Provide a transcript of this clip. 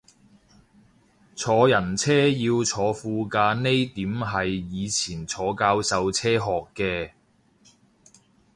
坐人車要坐副駕呢點係以前坐教授車學嘅